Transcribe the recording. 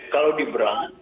kalau di perang